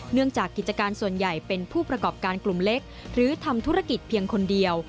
เนื่องจากกิจการส่วนใหญ่เป็นผู้ประกอบการกลุ่มเล็กหรือทำธุรกิจเพียงคนเดียว